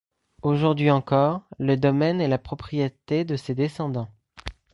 Aujourd'hui encore, le domaine est la propriété de ses descendants.